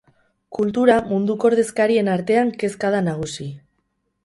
Kultura munduko ordezkarien artean kezka da nagusi.